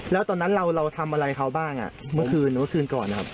แล้วตอนนั้นเราทำอะไรเขาบ้างอ่ะเมื่อคืนเมื่อคืนเมื่อคืนก่อนนะครับ